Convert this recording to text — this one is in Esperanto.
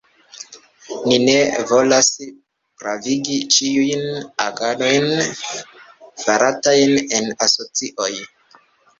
Mi ne volas pravigi ĉiujn agadojn faratajn en asocioj.